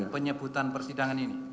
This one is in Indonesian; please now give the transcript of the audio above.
penyebutan persidangan ini